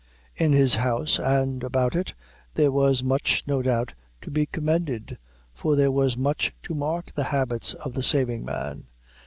In his house, and about it, there was much, no doubt, to be commended, for there was much to mark the habits of the saving man.